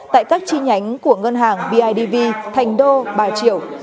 tại các chi nhánh của ngân hàng bidv thành đô bà triệu